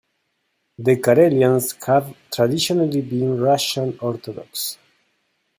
The Karelians have traditionally been Russian Orthodox.